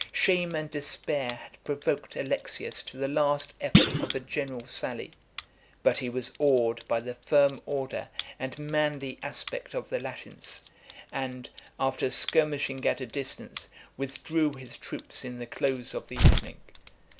Shame and despair had provoked Alexius to the last effort of a general sally; but he was awed by the firm order and manly aspect of the Latins; and, after skirmishing at a distance, withdrew his troops in the close of the evening.